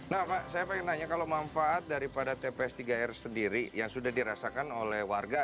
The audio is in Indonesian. nah pak saya pengen nanya kalau manfaat daripada tps tiga r sendiri yang sudah dirasakan oleh warga